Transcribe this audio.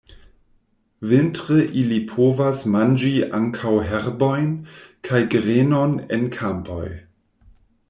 Vintre ili povas manĝi ankaŭ herbojn kaj grenon en kampoj.